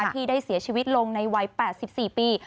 ที่ได้เสียชีวิตลงในวัย๘๔ปี